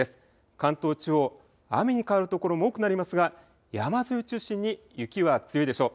関東地方、雨に変わる所も多くなりますが山沿い中心に雪は強いでしょう。